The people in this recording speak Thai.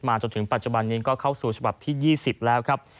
จนถึงปัจจุบันนี้ก็เข้าสู่ฉบับที่๒๐แล้วครับ